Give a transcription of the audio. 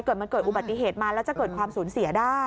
เกิดมันเกิดอุบัติเหตุมาแล้วจะเกิดความสูญเสียได้